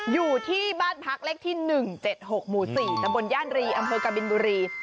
อยู่ที่บ้านพักเลขที่๑๗๖หมู่๔ตะบนย่านรีอำเภอกบินบุรี